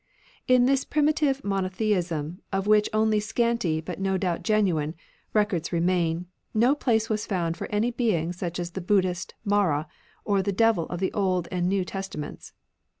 In this primitive monotheism, of JJ® S*u^' which only scanty, but no doubt genuine, records remain, no place was found for any being such as the Buddhist Mara or the Devil of the Old and New Testa ments.